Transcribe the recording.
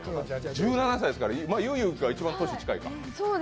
１７歳ですから、ゆいゆいが一番年近いか。